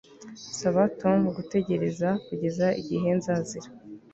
Saba Tom gutegereza kugeza igihe nzazira